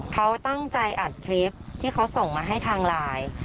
เขาตั้งใจอัดคลิปที่เขาส่งมาให้ทางไลน์